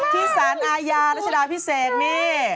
ที่สารอาญารัชดาพิเศษนี่